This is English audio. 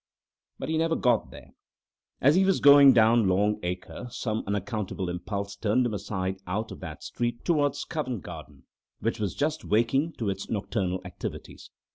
But he never got there. As he was going down Long Acre some unaccountable impulse turned him aside out of that street towards Covent Garden, which was just waking to its nocturnal activities.